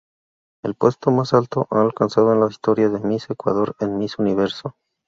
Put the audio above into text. El puesto más alto alcanzado en la historia de Miss Ecuador en Miss Universo.